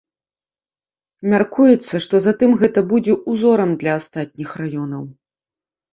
Мяркуецца, што затым гэта будзе ўзорам для астатніх раёнаў.